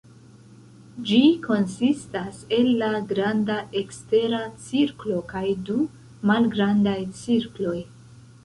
Ĝi konsistas el la granda ekstera cirklo kaj du malgrandaj cirkloj.